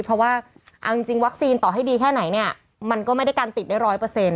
เพราะว่าเอาจริงวัคซีนต่อให้ดีแค่ไหนเนี่ยมันก็ไม่ได้การติดได้ร้อยเปอร์เซ็น